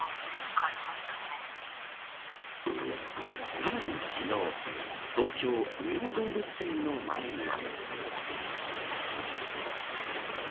さらに昨日東京、上野動物園の前には。